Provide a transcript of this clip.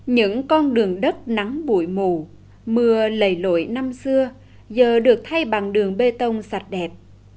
những con đường đất nắng bụi mù mưa lầy lội năm xưa giờ được thay bằng đường bê tông sạch đẹp